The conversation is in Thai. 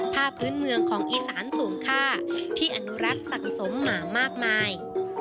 ผ้าพื้นเมืองของอีสานสูงค่าที่อนุรักษ์สะสมมามากมาย